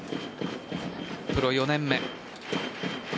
プロ４年目。